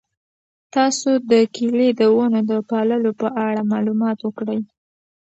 تاسو د کیلې د ونو د پاللو په اړه مطالعه وکړئ.